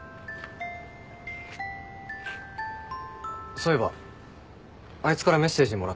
そういえばあいつからメッセージもらった。